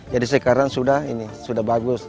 jadi sekarang sudah ini sudah bagus